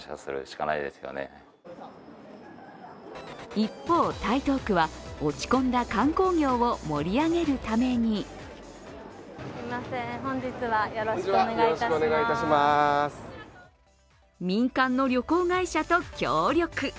一方、台東区は落ち込んだ観光業を盛り上げるために民間の旅行会社と協力。